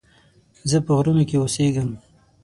زه په غرونو کې اوسيږم